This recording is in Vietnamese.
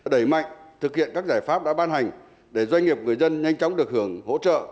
đẩy mạnh thực hiện các giải pháp đã ban hành để doanh nghiệp người dân nhanh chóng được hưởng hỗ trợ